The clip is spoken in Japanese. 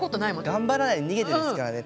「頑張らないで逃げて」ですからね。